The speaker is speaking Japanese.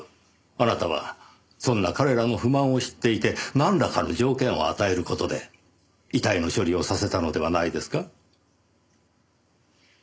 あなたはそんな彼らの不満を知っていてなんらかの条件を与える事で遺体の処理をさせたのではないですか？